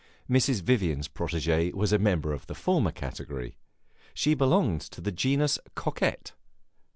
Mrs. Vivian's protege was a member of the former category; she belonged to the genus coquette.